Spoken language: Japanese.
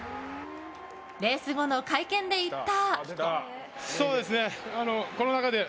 レース後の会見で言った。